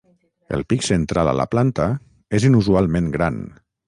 El pic central a la planta és inusualment gran.